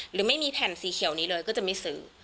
หรือไม่มีแผ่นสีเขียวนี้เลยก็จะไม่ซื้อ